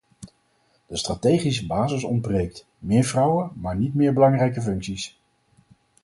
De strategische basis ontbreekt: meer vrouwen, maar niet meer belangrijke functies?